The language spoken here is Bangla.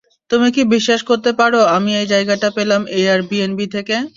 তুমি কি বিশ্বাস করতে পারো আমি এই জায়গাটা পেলাম এয়ারবিএনবি থেকে?